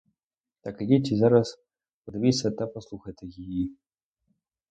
Так ідіть і зараз подивіться, та послухайте її.